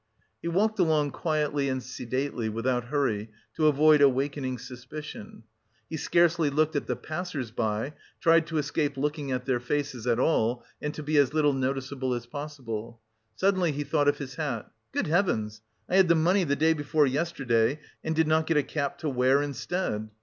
He walked along quietly and sedately, without hurry, to avoid awakening suspicion. He scarcely looked at the passers by, tried to escape looking at their faces at all, and to be as little noticeable as possible. Suddenly he thought of his hat. "Good heavens! I had the money the day before yesterday and did not get a cap to wear instead!"